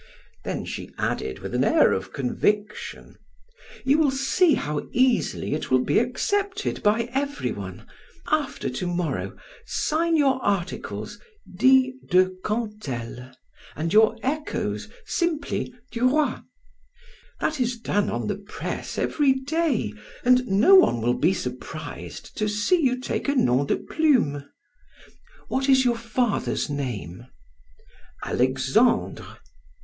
Then she added with an air of conviction: "You will see how easily it will be accepted by everyone! After to morrow, sign your articles 'D. de Cantel,' and your 'Echoes' simply 'Duroy.' That is done on the press every day and no one will be surprised to see you take a nom de plume. What is your father's name?" "Alexandre."